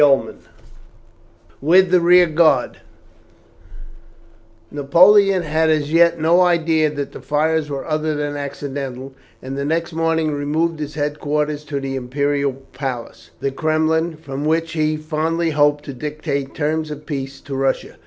CHAPTER XIII WITH THE REAR GUARD Napoleon had as yet no idea that the fires were other than accidental, and the next morning removed his headquarters to the Imperial Palace, the Kremlin, from which he fondly hoped to dictate terms of peace to Russia.